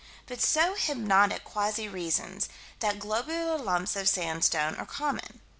But so hypnotic quasi reasons: that globular lumps of sandstone are common.